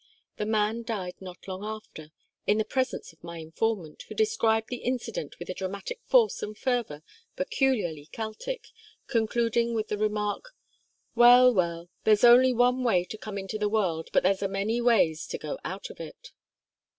The man died not long after, in the presence of my informant, who described the incident with a dramatic force and fervour peculiarly Celtic, concluding with the remark: 'Well, well, there's only one way to come into the world, but there's a many ways to go out of it.'